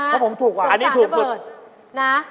เพราะผมถูกว่ะอันนี้ถูกกว่าสงสารน้ำเบิร์ดนะ